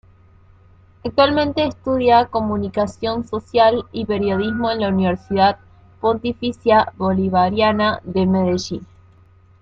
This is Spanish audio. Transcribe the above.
Actualmente, estudia Comunicación social y Periodismo en la Universidad Pontificia Bolivariana de Medellín.